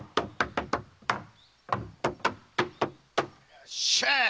よっしゃ！